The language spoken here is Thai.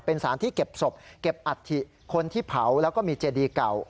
เป็นสารที่เก็บศพเก็บอัฐิคนที่เผาแล้วก็มีเจดีเก่า